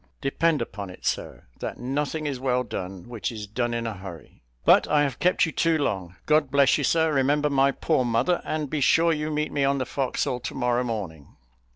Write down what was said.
Depend upon it, sir, 'that nothing is well done which is done in a hurry.' But I have kept you too long. God bless you, sir; remember my poor mother, and be sure you meet me on the forecastle to morrow morning."